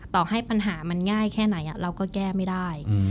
ต่อให้ปัญหามันง่ายแค่ไหนเราก็แก้ไม่ได้